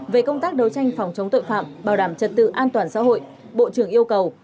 về công tác đấu tranh phòng chống tội phạm bảo đảm trật tự an toàn xã hội bộ trưởng yêu cầu